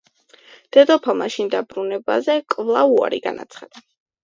დედოფალმა შინ დაბრუნებაზე კვლავ უარი განაცხადა.